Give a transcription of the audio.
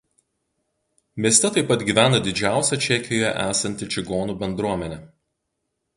Mieste taip pat gyvena didžiausia Čekijoje esanti čigonų bendruomenė.